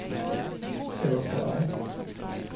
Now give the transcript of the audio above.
Det var fra dig